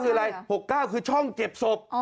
คืออะไร๖๙คือช่องเก็บศพ